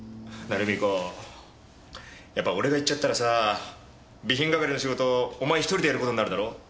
ルミ子やっぱ俺が行っちゃったらさ備品係の仕事お前１人でやる事になるだろ？